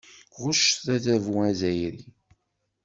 Ɣuccet adabu azzayri.